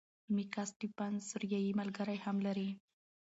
میکا سټیفنز سوریایي ملګری هم لري.